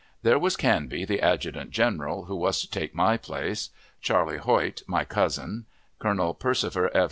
There was Canby, the adjutant general, who was to take my place; Charley Hoyt, my cousin; General Persifer F.